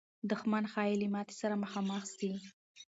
دښمن ښایي له ماتې سره مخامخ سي.